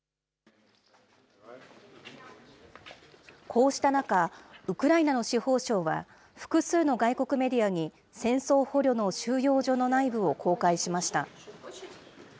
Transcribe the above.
こうした中、ウクライナの司法省は、複数の外国メディアに戦争捕虜の収容所の内部を公開しました。